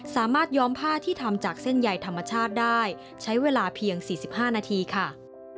สามารถย้อมผ้าที่ทำจากเส้นใยธรรมชาติได้ใช้เวลาเพียง๔๕นาทีค่ะ